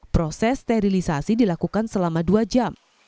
proses sterilisasi dilakukan selama dua jam